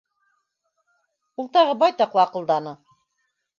— Ул тағы байтаҡ лаҡылданы.